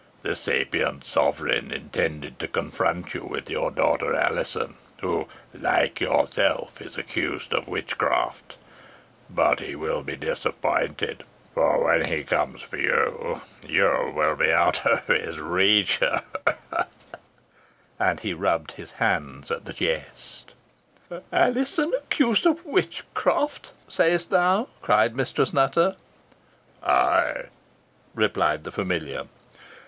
The sapient sovereign intended to confront you with your daughter Alizon, who, like yourself, is accused of witchcraft; but he will be disappointed for when he comes for you, you will be out of his reach ha! ha!" And he rubbed his hands at the jest. "Alizon accused of witchcraft say'st thou?" cried Mistress Nutter. "Ay," replied the familiar.